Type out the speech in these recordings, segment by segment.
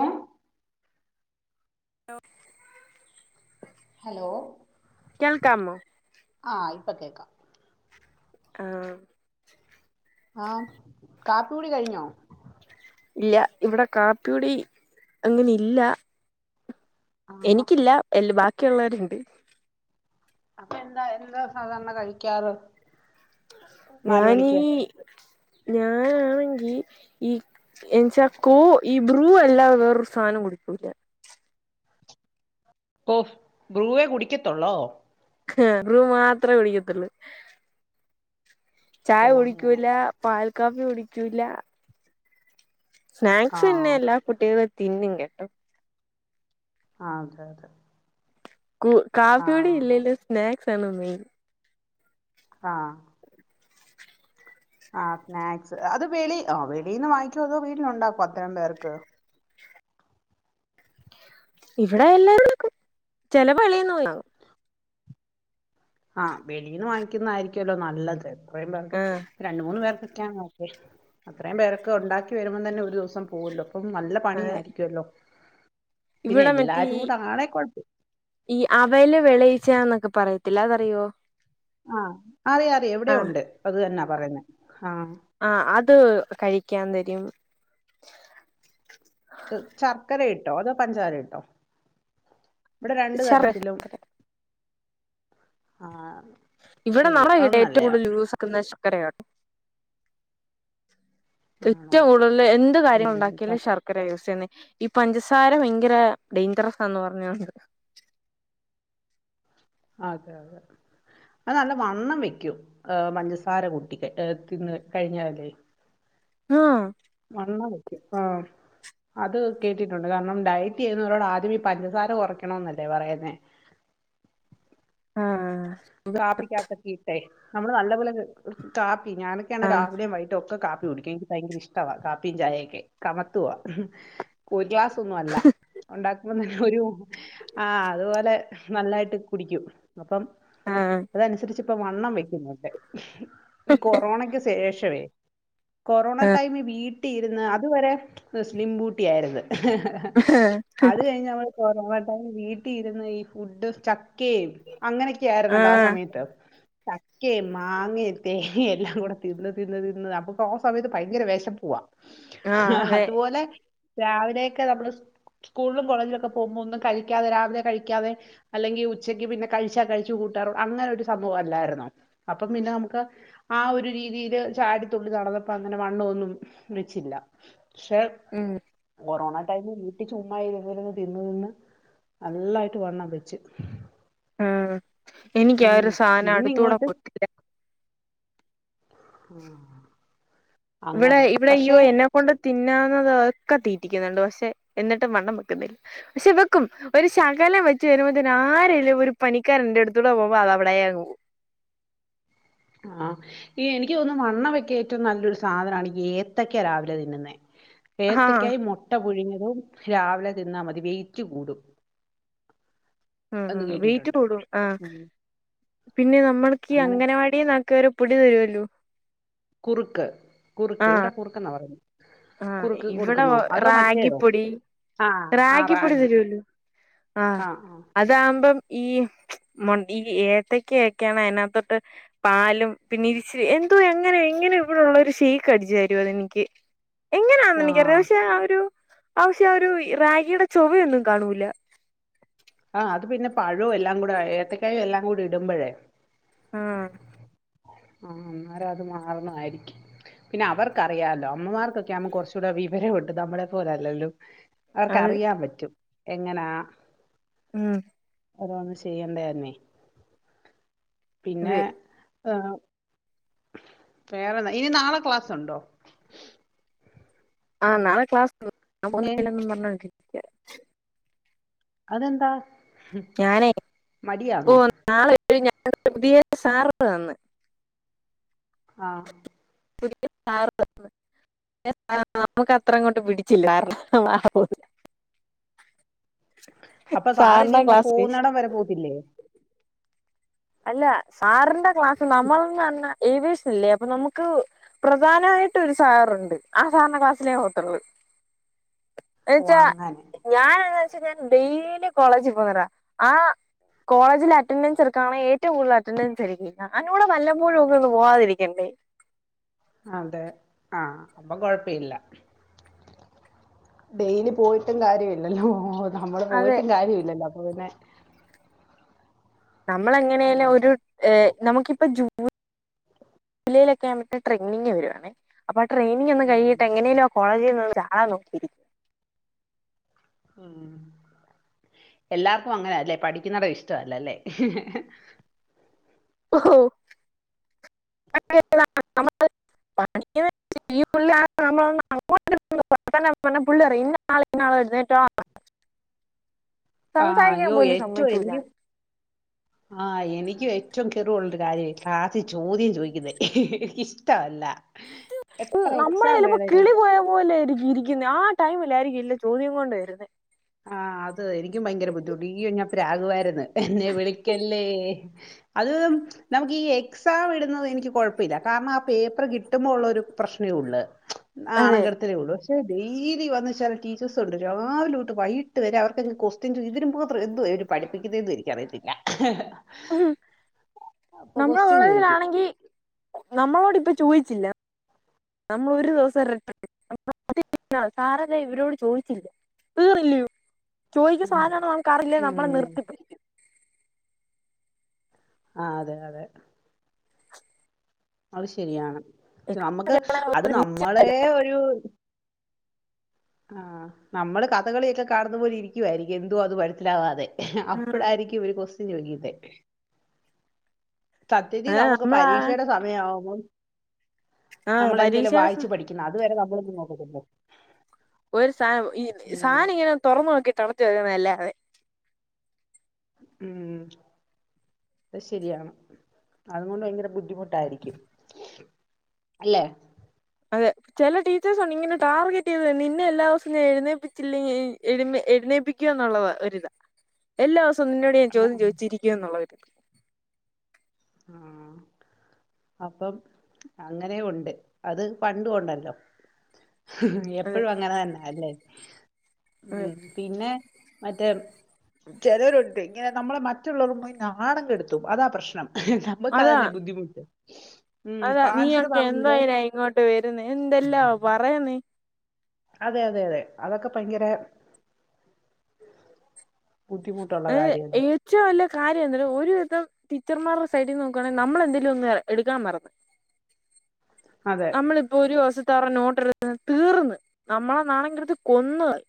ഏഹ് ലോ ഹലോ കേൾക്കാമോ ആഹ് ഇപ്പൊ കേക്കാം. ആഹ് ആഹ് കാപ്പി കുടി കഴിഞ്ഞോ? ഇല്ല ഇവിടെ കാപ്പിടി അങ്ങനെ ഇല്ല ആഹാ എനിക്കില്ല എ ബാക്കിയുള്ളവരുണ്ട് അപ്പൊ എന്താ എന്താ സാധാരണ കഴിക്കാറ് നാല് ഞാനീ മണിക്ക് ഞാന ഈ എച്ചാ കോ ഈ ബ്രൂ എല്ലാത വേറൊരു സാധനം കുടിക്കൂ ല്ല കൊഫ് ബ്രൂവേ കുടിക്കത്തുള്ളോ ബ്രൂ മാത്രേ കുടിക്കത്തിുള്ളൂ ചായ ഓ അങ്ങനെ കുടിക്കൂല പാൽ കാഫി കുടിക്കൂല്ല സ്നാക്സും ആഹ് ഇന്നല്ല കുട്ടികള തിന്ന കേട്ടോ ആ അതെ അതെ കാപ്പിയുടെ ആഹ് ഇലേലും സ്നാക്സ് ആണ് മെയിൻ ആഹ ആ സ്നാക്സ് അത് വെളി ആ വെളിൽന്ന് വാങ്ങിക്കോ അതോ വീട്ടിലുണ്ടാക്കും അത്തരം പേർക്ക് ഇവിടെ എല്ലാരരുംക്കും ചെലവളിയന്നന്നാും ആഹ് വെളീന്ന് വാങ്ങിക്കുന്നതായിരിക്കുമല്ലോ നല്ലത് എപ്പോഴേർക്ക് ആഹ് രണ്ട മൂന്ന്ു പേർക്ക് അത്രയും പേരൊക്കെ ഉണ്ടാക്കി വരുമ്പ തന്നെ ഒരു ദിവസം പോവല്ലോ അപ്പം നല്ല അതെ പണിയായിരിക്കല്ലോ ഇവിടെ മറ്റേ ഈ ആണേ കുഴപ്പം ഈ അവല് വെളയിച്ചന്നൊക്കെ പറയുന്നു പട്ടല്ലാതറിയോ ആഹ അറിം അ റിം ഇ വിടെയുണ്ട് അത് തന്നാ പറയുന്ന ആ അത് കഴിക്കാൻ തരും ശർക്കര ഇട്ടോ അതോ പഞ്ചാര ഇട്ടോ ഇവിടെ രണ്ടു ശർ തരത്തിലും ആഹ ഇവിടെ നളെ വീടെ ഏറ്റവും കൂടുതൽ യൂസാ ക്കുന്ന ഷർ ക്കരയാ ആണോ ഏറ്റവും കൂടുതൽ എന്ത് കാര്യം ഉം, ഉണ്ടാക്കിയാലും പ- ശർക്കര യൂ സന്നെ ഈ പഞ്ചസാര ഭയങ്കര ഡെയിഞ്ചറസ ന്ന് പറഞ്ഞണ്ട് അതെ അതെ അത് നല്ല വണ്ണം വെക്കും ഏ പഞ്ചസാര കുട്ടിക്ക്ഏ തിന്ന് കഴിഞാല് ആഹ വണ്ണംവെക്കും. ആഹ അത് കേട്ടിട്ടുണ്ട് കാരണം ഡയറ്റ് ചെയ്യുന്നവരോട് ആദ്യം ഈ പഞ്ചസാര കുറയ്ക്കണന്നല്ലേ പറയുന്നേ. [inaudible] ആഹ് കാപ്പിക്കാക്കകിട്ടേ നമ്മള് നല്ല പോലെ കാപ്പി, ഞാനൊക്കെയാണ് രാവിലെയും വൈകിട്ടോക്കെ കാപ്പി എനിക്ക് ഭയങ്കര ഇഷ്ട കാപ്പിയും ചായയൊക്കെ, കമത്തുവാ ഒരു ഗ്ലാസ് നുമല്ല. ഉണ്ടാകു ഒരു ആ അതുപോലെ നല്ലായിട്ട് കുടിക്കും അപ്പം ആഹ് അതനുസരിച്ച് ഇപ്പ വണ്ണം വെക്കുന്നുണ്ട്. ഈ കൊറോണക്ക് ശേഷം വേ കൊറോണ ആഹ് ടൈമ വീട്ടിൽ ഇരുന്ന് അതുവരെ സ്ലിംബൂട്ടി ആയിരുന്നു അത് കഴിഞ്ഞ നമ്മള് കൊറോണടൈം വീട്ടി ഇരുന്ന് ഈ ഫുഡ് ചക്കയും അങ്ങനെ ആയിരുന്നല്ലോ ആ ആഹ് സമയത്ത് ചക്കേം, മാങ്ങേ, തേങ്ങേ എല്ലാം കൂടെ തിന്ന് തിന്ന് തിന്ന് അപ്പൊക്ക് ആ സമയത്ത് ഭയങ്കര വിശപ്പവാ ആഹ് ആ അതെ അതുപോലെ രാവിലെയൊക്കെ നമ്മള് സ്കൂളും കോളേജിലും ഒക്കെ പോകുമ്പോ ഒന്നും കഴിക്കാതെ രാവിലെ കഴിക്കാതെ അല്ലെങ്കിൽ ഉച്ചയ്ക്ക് പിന്നെ കഴിച്ചാ കഴിച്ച [unintelligible] അങ്ങനെ സംഭവല്ലാരുന്നോ. അപ്പ പിന്നെ നമുക്ക് ആ ഒരു രീതില് ചാടിതു നടന്നപ്പ അങ്ങനെ വണ്ണോം ഒന്നും വചില്ല. പക്ഷ ഉം കൊറോണാ [unintelligible] വീട്ടി ചുമ്മായി ഇരുന്ന് തിന്നു തിന്ന് നല്ലായിട്ട് വണ്ണം വെച്ച്. ആഹ എനിക്ക് ആ ഉം ഒരു സാധനം പിന്നെ അടുത്തൂടെ ഇങ്ങോട്ട് പൊയിട്ടില്ല. ആ ഇവിടെ അങ്ങനെ ഇവിടെയ്യോ പക്ഷെ എന്നെക്കൊണ്ട് തിന്നാ ക്കെ തീറ്റിക്കുന്നുണ്ട്. പക്ഷെ എന്നിട്ടും വണ്ണം വെക്കുന്നില്ല പക്ഷെ വെക്കും ഒരു ശകലം വെച്ച് വരതിന്ആരലും ഒരു പണിക്കാരൻ എന്റെ അടുത്തൂടെ പോക്പോ അത അവളെ വെളയാകും. ആഹ ഈ എനിക്ക് തോന്നുന്നു വണ്ണം വെക്കാൻഏറ്റവും നല്ലൊരു സാധനമാണ്ഏത്തക്ക രാവിലെ തിന്നുന്നേ. ആഹ് ഏത്തക്കായി മുട്ട പുഴിങ്ങത തും രാവിലെ തിന്നാ മതി വെയിറ്റ് കൂടും. ആ ആ എന്ന് വെയിറ്റ് കേട്ടിട്ടുണ്ട് കൂടും. ആ ഉം പിന്നെ നമ്മൾക്ക് അങ്ങനെ അംഗനവാടിയന്നക്ക ഒരു പൊടി തരുവല്ലോ. കുറുക്ക് കുറുക്ക് ആഹ് ഇവിടെ കുറുക് എന്നാ പറയുന്നത്. ആഹ് കുറുക്ക് ഇവിടെ ക്ന്നോ അതോ മറ്റേതോ റാഗിപ്പൊടി ആഹ ആ റാഗിപ്പൊടി റാഗി. തരുവല്ലോ ആഹ് ആഹ അതാകുമ്പം ഈ ഈ ഏത്തക്കക്കെയാണ് അതിനകത്തൊട്ട് പാലും പി [unintelligible] രിച്ച എന്തോ എങ്ങനെ എങ്ങനെ ഇവിടെള്ളവർ ഷെയ്ക്ക് അടിച്ചുതരും അതെനിക്ക്. എങ്ങനെയാ എനിക്കറ ആഹ് പക്ഷെ ആ ഒരു ആശ്യ ആ ഒരു റാഗിയുടെ ചൊവൊന്നും കാണൂല. ആ അത് പിന്നെ പഴവും എല്ലാം കൂടെ ഏത്തക്കായ എല്ലാം കൂടി ഇടുമ്പഴേ ആഹ ആഹ അന്നേരം അത് മാറുന്നതായിരിക്കും. പിന്നെ അവർക്കറിയാലോ അമ്മമാർക്കൊക്കെ ആകുമ്പോ കുറച്ചൂടെ വിവരമുണ്ട്. നമ്മളെ പോലെല്ലല്ലോ. അവർക്ക് അത് അറിയാൻ പറ്റും എങ്ങനാ. ഉം അതൊന്ന് ചെയ്യണ്ടേന്നേ പിന്നെ. അതെ ആ വേറെന്താ ഇനി നാളെ ക്ലാസ്സ്ണ്ടോ. ആഹ് നാളെ ക്ലാസ്ണ്ട്. ഞാൻ ഏ പോവിലെന്ന് പറഞ്ഞിരിക്ക. അതെന്താ ഞാനേ ഓ മടിയാണോ നാളെ. [unintelligible] പുതിയ സാറ് വന്നു. ആഹ് പുതിയ സാർ വന്ന് നമുക്ക് അത്ര അങ്ങോട്ട് പിടിച്ചില്ലാർന്ന് ആഹ് അപ്പൊ സാറ് ഇനി സാറിന്റെ ക്ലാസ് പോകുന്നടം വരെ പോകത്തില്ലേ. അല്ല സാറിന്റാ ക്ലാസ് നമ്മൾന്ന് പറഞ്ഞ. ഏവിയേഷൻല്ലേ അപ്പൊ നമുക്ക് പ്രധാനായിട്ടും ഒരു സാറുണ്ട് ആ സാറിന്റേ ക്ലാസ്സിലേ പോകത്തുള്ളു. ഓ [unintelligible] അങ്ങനെ ഞാൻ ച്ച് ഞാൻ ഡെയിലി കോളേജിൽ പോകുന്നറാ ആ കോളേജിൽ അറ്റെൻഡൻസ് റി കാണാൻ ഏറ്റവും കൂടുതൽ അറ്റൻഡൻസ് എനിക്ക് ആയിരിക്കും ഞാൻ കൂടെ വല്ലപ്പോഴും ഒക്കെ ഒന്ന് പോവാതിരിക്കണ്ടേ. അതെ ആഹ് അപ്പൊ കൊഴപ്പയില്ല. ഡെയിലി പോയിട്ടും കാര്യം ഇല്ലല്ലോ നമ്മള് അതെ പോയിട്ടും കാര്യം ഇല്ലല്ല് അതന്നെ. നമ്മള് എങ്ങനെലും ഒരു ഏഹ് നമുക്കിപ്പം ജൂ ണിലോക്കെയാമിട്ട് ട്രെയിനിങ് വരുവണേ അപ്പൊ ആ ട്രെയിനിങ് ഒന്ന് ഉം കഴിയാട്ട് എങ്ങനെലും ആ കോളേജിന്ന് ഒന്ന് ചാടാൻ നോക്കിരി ഉം എല്ലാർക്കും അങ്ങനാല്ലേ പഠിക്കുന്നാടം ഇഷ്ടല്ലല്ലേ ഓഹോ [unintelligible] ഈ പുള്ളി ആഹ് നമ്മൾ ഒന്ന് അങ്ങോട്ട് [unintelligible] വർത്താനം പറഞ്ഞ പുള്ളി അറിയും ഇന്നാ ആള് ഇന്നാ ആള് എഴുന്നേറ്റോ ആഹ് സംസാരിക്കാൻ അയ്യോ പോലും ഏറ്റവും സമ്മതിക്കൂല്ല എൻഡി ആഹ് എനിക്കും ഏറ്റവും കെറിവുള്ളരു കാര്യമായി ക്ലാസി ചോദ്യം ചോദിക്കുന്ന എനിക്കിഷ്ടമല്ല. രു ഹ് എത്ര എക്സാം നമ്മളെലപ്പോ വേണേലും കിളി പോയ പോലൊയിരിക്കും ഇരിക്കുന്ന ആ ടൈമിലായിരിക്കു ഇല്ല ചോദ്യം കൊണ്ട് വരുന്നേ. ആഹ് അത് എനിക്കും ഭയങ്കര ബുദ്ധിമുട്ട് യ്യോ ഞാൻ പ്രാകുവാര്ന്ന് എന്നെ വിളിക്കല്ലേ അത് നമുക്ക് ഈ എക്സാം ഇടുന്നത് എനിക്ക് കുഴപ്പ ഇല്ല. കാരണം ആ പേപ്പർ കിട്ടുമ്പോൾ ഉള്ള ഒരു പ്രശ്നേ ഉള്ള് അതെ ആണങ്കടത്തലേ ഉള്ളൂ ക്ഷേ ഡെയിലി വന്നച്ചാൽ ടീച്ചേഴസ് ഉണ്ട് രാവിലെ ട്ട് വൈകിട്ട് വരെ അവർക്കെത് ക്വസ്റ്റൻ് ഇതിന് മത്ര എന്തുവ അവര് പഠിപ്പിക്കുന്നേന്ന് എനിക്കറിയത്തില്ല ആഹ അപ്പൊ നമ്മള ക്വസ്റ്റ്യൻ ചോദിക്കും കോളേജിലാണെങ്കി നമ്മളോട് ഇപ്പൊ ചോയിച്ചില്ല. നമ്മൾ ഒരു ദിവസം [unintelligible] എന്ന സാറതെ ഇവരോട് ചോദിച്ചില്ല തീറില്ലയോ. ചോദിക്ക് സാനാണോ നമ്ക്കറീല്ലേ നമ്മളെ ഉം നിർത്തിപ്പിക്കും ആഹ് അതെ അതെ അത് ശരിയാണ് നമുക്ക് അത് നമ്മളെ ഒരു ആഹ് നമ്മള് കഥകളിയൊക്കെ കാണുന്ന പോലിരിക്കുവായിരിക്കും എന്തുവാ ഇത് മനസിലാവാതെ അപ്പഴായിരിക്കും ഒരു ക്വസ്റ്റ്യൻ ചോയ്കുന്നേ സത്യത്തി ഏഹ് നമുക്ക് നമ്മളാ പരീക്ഷയുടെ സമയമാവുമ്പം ആഹ് നമ്മള്ന്തെലും പരീക്ഷയുടെ വായിച്ചു പഠിക്കുന്ന അതുവരെ നമ്മളൊന്നും നോക്കണ്ടി [unintelligible] ഒരു സാനം ഈ സാനം ഇങ്ങനെ തുറന്ന് നോക്കി കളത്തി വെക്കുന്നല്ലാതെ ഉം അത് ശരിയാണ് അതുകൊണ്ട് ഭയങ്കര ബുദ്ധിമുട്ടായിരിക്കും. അല്ലേ അതെ ചില ടീച്ചേഴ്സ് ഉണ്ട് ഇങ്ങനെ ടാർഗറ്റ് ചെയ്ത് നിന്നെ എല്ലാ ദിവസവും ഞാ എഴുന്നേപ്പിച്ചില്ലെ [unintelligible] നീപ്പിക്ക്യാ എന്നുള്ളത് ഒരിതാ. എല്ലാസും തൊന്നിനോട് ഞാൻ ആ ചോദ്യം ചോയ്ച്ചിരിക്കും ന്നുള്ളര്ത് ആഹ് അപ്പം അങ്ങനെ ഉണ്ട് അത് പണ്ടു ഉണ്ടല്ലോ അതെ എപ്പഴും അങ്ങനെ തന്നെല്ലേ അതെ ഉം പിന്നെ മറ്റേ ചിലരുണ്ട് ങ്ങനെ നമ്മളെ മറ്റുള്ളവരും പോയി നാണം കെടുത്തു അതാ പ്രശ്നം നമ്മക്ക് അതാ അതല്ലേ ബുദ്ധിമുട്ട് ഉം അതാ പാൻസര പറഞ്ഞില്ലേ ഇല്ലാ പറയന്നെ അതെ അതെ അതെ അതൊക്കെ ഭയങ്കര ബുദ്ധിമുട്ടുള്ള ഏ കാര്യമല്ലേ ഏച്ചു അല്ല കാര്യം എന്തര് ഒരുവിധം ടീച്ചർമാരുടെ സൈഡിൽ നോക്കാണെങ്കി നമ്മള എന്തെലും ഒന്ന് എടുക്കാൻ മറന്ന് അതെ നമ്മള് ഇപ്പോ ഒരുസ [unintelligible] നോട്ടെടു തീർന്ന് നമ്മളെ നാണം കെടുത്തി കൊന്ന് കളയും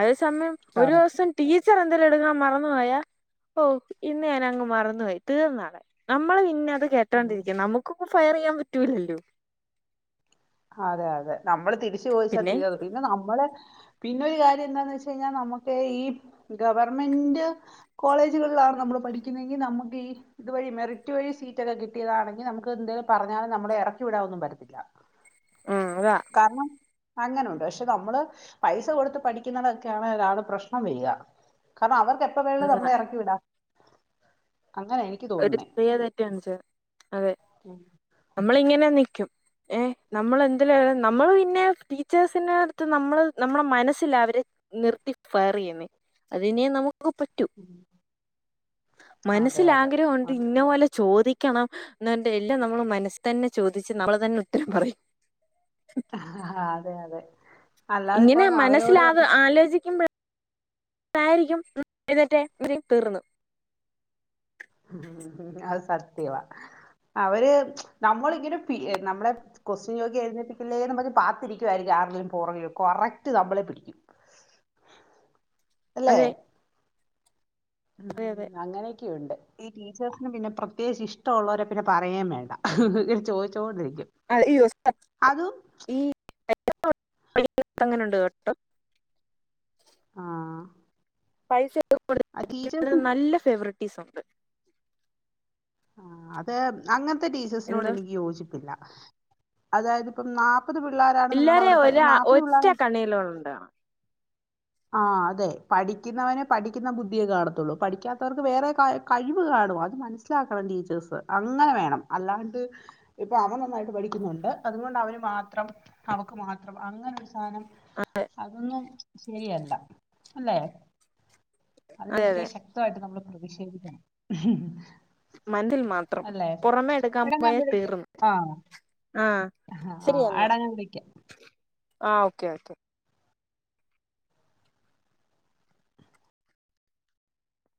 അത് സമയം ടാറ്. ഒരൂസം ടീച്ചർ എടുക്കാൻ മറന്നു പോയാ ഓ ഇന്ന് ഞാൻ അങ്ങ് മറന്നു പോയി തീർന്നവിടെ നമ്മള് പിന്ന ത് കേട്ടാണ്ടിരിക്ക നമുക്കിപ്പൊ ഫയർ ചെയ്യാൻ പറ്റൂല്ലല്ലോ അതെ അതെ നമ്മള് തിരിച്ചു ചോദിച്ചാൽ തീർ പിന്നെ നമ്മളെ പിന്നെ ഒരു കാര്യം എന്താന്ന് വെച്ചു കഴിഞ്ഞാൽ നമുക്ക് ഈ ഗവർമെന്റ് കോളേജുകളിലാ [unintelligible] നമ്മൾ പഠിക്കുന്നെങ്കി നമുക്ക് ഈ ഇത് വഴി മെറിറ്റ് വഴി സീറ്റൊക്കെ കിട്ടിയതാണെകി നമുക്ക് എന്തെലും പറഞ്ഞാല് നമ്മ എറക്കി വിടാവൊന്നും പറ്റത്തില്ല ഉം അതാ കാരണം അങ്ങനെണ്ട് പക്ഷെ നമ്മള് പൈസ കൊടുത്ത് പഠിക്കുന്നണൊക്കേണ് പ്രശ്നം വരിക കാരണം അവർക്ക് എപ്പ വേണെലും നമ്മളെ എറക്കി വിടാം അങ്ങനെ എനിക്ക് ഒരു തോന്നുന്നേ ചെറിയ തെറ്റ കാണിച്ചത് അതെ ഉം നമ്മളിങ്ങനെ നിക്കും ഏ നമ്മൾ എന്ത്ല നമ്മള് പിന്നെ ടീച്ചേഴ്സിനടുത്ത് നമ്മള് നമ്മളുടെ മനസ്സില അവരെ നിർത്തി ഫയറേയ്യുന്നേ അതിനെ നമു ക്ക് പറ്റു അതെ മനസ്സിൽ അതെ ആഗ്രഹം ഒണ്ട് അത് ഇന്ന പോലെ ചോദി ക്കണം എന്ന് പറഞ്ഞിട്ട് എല്ലാം നമ്മള് മനസ് തന്നെ ചോദിച്ച് നമ്മള് തന്നെ ഉത്തരം പറയും ആഹ് അതെ അതെ ഇങ്ങനെ അല്ലാതിപ്പം അവരോട് [unintelligible] ഉം എഴുന്നേറ്റെ [unintelligible] തീർന്ന് അത് സത്യവാ അവര് നമ്മളിങ്ങനെ പി നമ്മളെ ക്വാസ്റ്റ്യാൻ ചോയ്ക്കാൻ എഴുന്നേൽപ്പിക്കല്ലേന്നും പറഞ്ഞ് പത്തിരിക്കുവായിരിക്കും [unintelligible] പോറകിലും കറക്റ്റ് നമ്മളെ പിടിക്കും അല്ലെ അതെ അതെ അതെ ഉം അങ്ങനെ ക്കെയുണ്ട് ഈ ടീച്ചേഴ്സിന് പിന്നെ പ്രത്യേകിച്ച് ഇഷ്ട്ടോള്ളവരെ പിന്നെ പറയേം വേണ്ട ചോദിച്ചോണ്ടിരി [unintelligible] ഈ [unintelligible] അങ്ങനൊണ്ട് കേട്ടോ ആഹ് പൈസ ആ [unintelligible] ടീച്ചേഴ്സ് നല്ല ഫേവറിറ്റീസ് ഒണ്ട് ആഹ് അത് അങ്ങനത്തെ ടീച്ചേഴ്സിനോട് എന്താ എനിക്ക് യോജിപ്പില്ല അതായത് ഇപ്പം നാ മുപ്പത് പിള്ളാരാണ് നിങ്ങടെ അവ്ടെ എല്ലാരേം പ ഒരാ നാല്പ്പത് ഒറ്റ പിള്ളരാ കണ്ണീലോണ്ട് കാണാം. ആഹ് അതെ പഠിക്കുന്നവന് പഠിക്കുന്ന ബുദ്ധിയെ കാണത്തുള്ളൂ പഠിക്കാത്തവർക്ക് വേറെ ക കഴിവ് കാ ണും അത് മനസ്സിലാക്കണം ടീച്ചേഴ്സ് അങ്ങനെ വേണം അല്ലാണ്ട് ഇപ്പ അവൻ നന്നായിട്ട് പഠിക്കുന്നുണ്ട് അതുകൊണ്ട് അവന് മാത്രം അവക്ക് മാത്രം അങ്ങനെ ഒരു സാനം അതൊന്നും ശരിയല്ല അല്ലേ അതെ അതിനെതിരെ അതെ ശക്തവായിട്ട് നമ്മള് പ്രതിഷേധിക്കണം മാന്തിൽ മാത്രം അല്ലേ പുറമെ എടുക്കാൻ എടാ പോയ ഞാൻ തീർന്ന് ആഹ് ആഹ് ശരി ആഹ് എന്നാ ടാ വിളിക്കാ ആഹ് ഓക്കെ ഓക്കെ